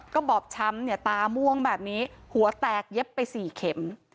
ก็บอบช้ำเนี่ยตาม่วงแบบนี้หัวแตกเย็บไป๔เข็ม